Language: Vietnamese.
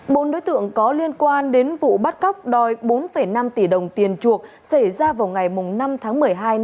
bốn đối tượng có liên quan đến vụ bắt cóc đòi bốn năm tỷ đồng tiền chuộc xảy ra vào ngày năm tháng một mươi hai